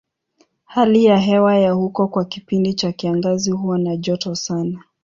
Hali ya hewa ya huko kwa kipindi cha kiangazi huwa na joto sana.